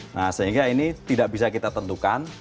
nah sehingga ini tidak bisa kita tentukan